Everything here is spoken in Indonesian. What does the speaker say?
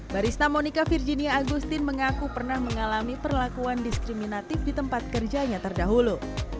barista monica virginia agustin mengaku pernah mengalami perlakuan diskriminatif di tempat kerjanya terdahulu